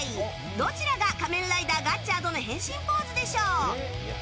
どちらが仮面ライダーガッチャードの変身ポーズでしょう！